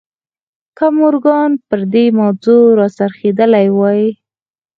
که مورګان پر دې موضوع را څرخېدلی وای.